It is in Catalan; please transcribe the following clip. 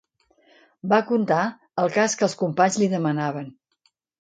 Va contar, el cas que els companys li demanaven.